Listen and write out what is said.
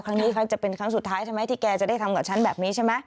ครั้งนี้จะเป็นครั้งสุดท้ายใช่ไหมที่แกจะได้ทำกับฉันแบบนี้ใช่ไหม